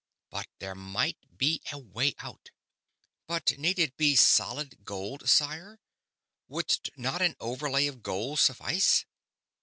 But there might be a way out. "But need it be solid gold, sire? Wouldst not an overlay of gold suffice?"